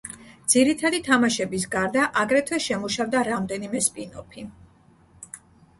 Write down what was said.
ძირითადი თამაშების გარდა, აგრეთვე შემუშავდა რამდენიმე სპინოფი.